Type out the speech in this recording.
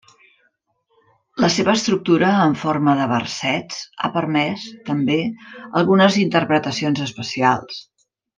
La seva estructura en forma de versets ha permès, també, algunes interpretacions especials.